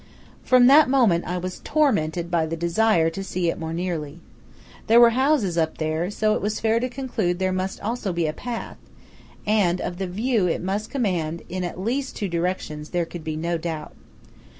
From that moment I was tormented by the desire to see it more nearly. There were houses up there, so it was fair to conclude there must also be a path; and of the view it must command in at least two directions, there could be no doubt.